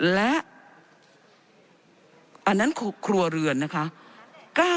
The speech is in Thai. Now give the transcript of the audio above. และอันนั้นครัวเรือนนะคะ